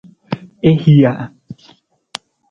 I hija.